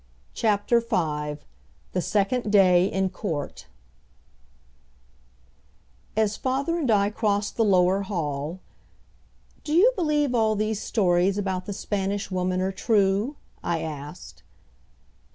CHAPTER V THE SECOND DAY IN COURT As father and I crossed the lower hall, "Do you believe all these stories about the Spanish Woman are true?" I asked.